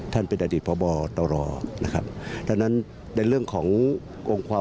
แต่ท่านท่านยังไม่ได้รับนะครับ